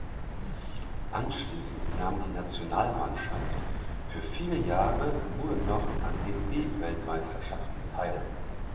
Anschließend nahm die Nationalmannschaft für viele Jahre nur noch an den B-Weltmeisterschaften teil.